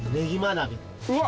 うわっ！